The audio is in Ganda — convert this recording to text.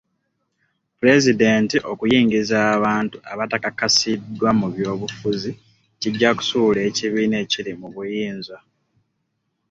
Pulezidenti okuyingiza abantu abatakakasiddwa mu by'obufuzi kijja kusuula ekibiina ekiri mu buyinza.